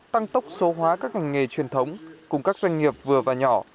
tăng tốc số hóa các ngành nghề truyền thống cùng các doanh nghiệp vừa và nhỏ